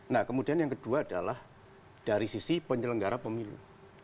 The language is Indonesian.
nah kemudian yang kedua adalah dari sisi penyelenggara pemilu